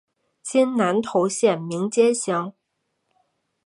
今南投县名间乡。